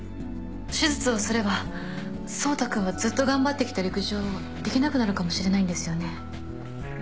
手術をすれば走太君はずっと頑張ってきた陸上をできなくなるかもしれないんですよね？